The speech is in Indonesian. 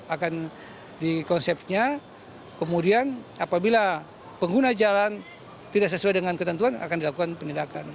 akan di konsepnya kemudian apabila pengguna jalan tidak sesuai dengan ketentuan akan dilakukan penindakan